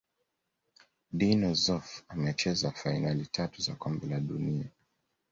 dino Zoff amecheza fainali tatu za kombe la dunia